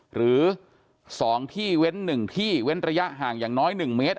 หรือ๒ที่เว้น๑ที่เว้นระยะห่างอย่างน้อย๑เมตร